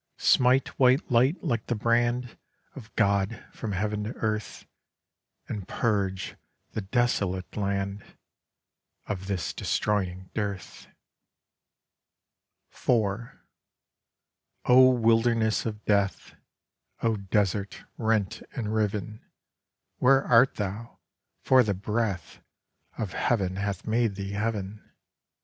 Smite white light like the brand Of God from heav'n to earth; And purge the desolate land Of this destroying dearth! IV O Wilderness of Death, O Desert rent and riv'n, Where art thou?—for the breath Of heav'n hath made thee Heav'n.